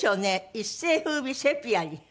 一世風靡セピアに。